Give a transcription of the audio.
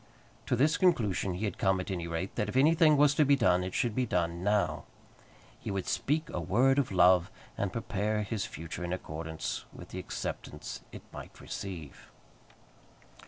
To this conclusion he had come at any rate, that if anything was to be done, it should be done now. He would speak a word of love, and prepare his future in accordance with the acceptance it might receive.